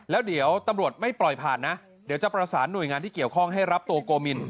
แล้วเดี๋ยวตำรวจไม่ปล่อยผ่านนะเดี๋ยวจะประสานหน่วยงานที่เกี่ยวข้องให้รับตัวโกมิน